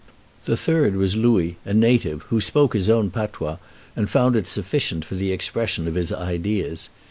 The third was Louis, a native, who spoke his own patois, and found it sufficient for the expression of his ideas.